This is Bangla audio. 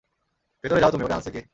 ভেতরে যাও তুমি, - ওরে আনছে কে?